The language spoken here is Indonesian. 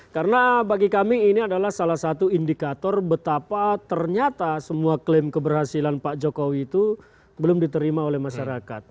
karena bagi kami ini adalah salah satu indikator betapa ternyata semua klaim keberhasilan pak jokowi itu belum diterima oleh masyarakat